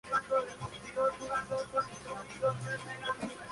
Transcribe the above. Trabaja en la empresa "Goliath National Bank" junto con Barney Stinson.